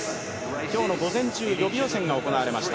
今日の午前中、予備予選が行われました。